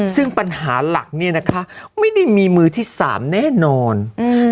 ซึ่งปัญหาหลักเนี่ยนะคะไม่ได้มีมือที่สามแน่นอนอืม